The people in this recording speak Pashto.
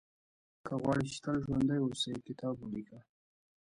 • که غواړې چې تل ژوندی اوسې، کتاب ولیکه.